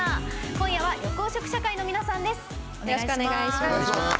今夜は緑黄色社会の皆さんです。